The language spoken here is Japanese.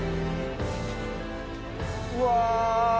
うわ！